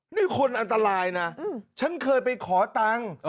นี่คนอันตรายนะฉันเคยไปขอตังค์